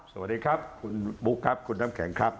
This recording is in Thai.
สวัสดีครับคุณบุ๊คครับคุณน้ำแข็งครับ